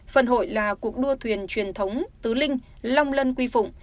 phần hội là cuộc đua thuyền truyền thống tứ linh long lân quy phụng